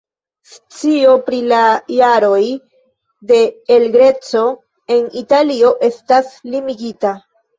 Scio pri la jaroj de El Greco en Italio estas limigita.